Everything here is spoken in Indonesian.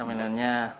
gak mainan ya